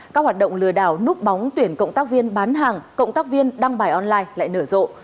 các hoạt động lừa đảo núp bóng tuyển cộng tác viên bán hàng cộng tác viên đăng bài online lại nở rộ